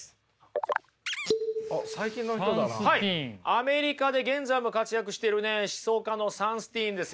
アメリカで現在も活躍してるね思想家のサンスティーンですよ。